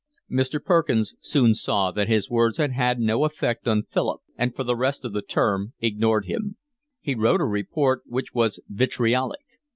XXI Mr. Perkins soon saw that his words had had no effect on Philip, and for the rest of the term ignored him. He wrote a report which was vitriolic.